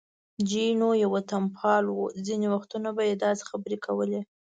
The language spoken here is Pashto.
جینو یو وطنپال و، ځینې وختونه به یې داسې خبرې کولې.